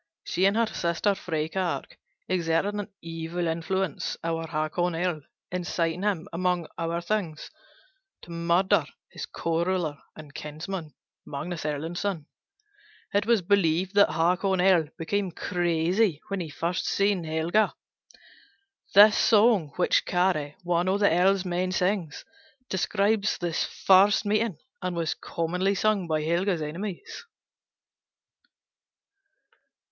She and her sister Frakark exerted an evil influence over Haakon Earl, inciting him among other things to murder his co ruler and kinsman Magnus Erlendson. It was believed that Haakon Earl became crazy when he first saw Helga. This song, which Kaare, one of the Earl's men, sings, describes this first meeting and was commonly sung by Helga's enemies.